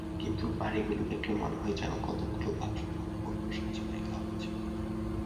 কিন্তু বাড়ীগুলি দেখিলে মনে হয় যেন কতকগুলি বাক্সকে উপর উপর সাজাইয়া রাখা হইয়াছে।